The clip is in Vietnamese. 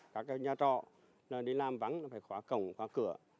các nhà trọ là đi làm vắng là phải khóa cổng khóa cửa